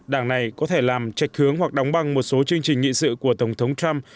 đảng này có thể làm trạch hướng hoặc đóng băng một số chương trình nghị sự của tổng thống trump